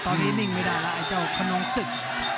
ตอนนี้นิ่งไม่ได้แล้วไอ้เจ้าขนองศึก